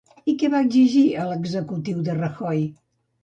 I què va exigir a l'executiu de Rajoy?